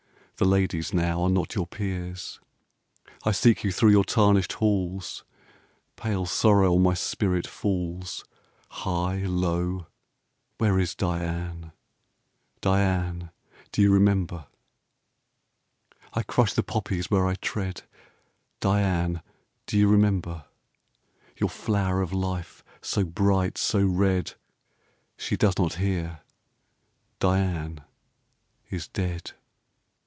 The ladies now are not your peers, I seek you thro' your tarnished halls, Pale sorrow on my spirit falls High, low where is Diane? Diane do you remember? I crush the poppies where I tread Diane! do you remember? Your flower of life so bright, so red She does not hear Diane is dead.